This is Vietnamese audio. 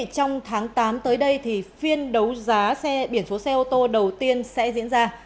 trong tháng tám tới đây phiên đấu giá biển số xe ô tô đầu tiên sẽ diễn ra